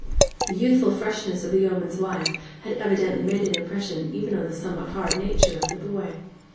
The youthful freshness of the yeoman's wife had evidently made an impression even on the somewhat hard nature of the boy.